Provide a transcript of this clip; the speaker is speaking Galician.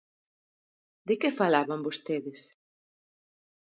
¿De que falaban vostedes?